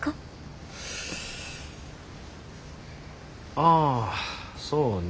ああそうね。